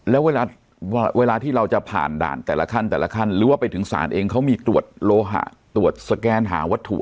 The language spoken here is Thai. แล้วเวลาเวลาที่เราจะผ่านด่านแต่ละขั้นแต่ละขั้นหรือว่าไปถึงศาลเองเขามีตรวจโลหะตรวจสแกนหาวัตถุ